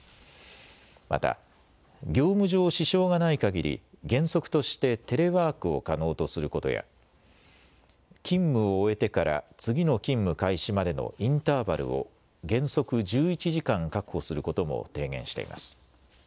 また、業務上支障がないかぎり原則としてテレワークを可能とすることや勤務を終えてから次の勤務開始までのインターバルを原則１１時間確保することも提言しています。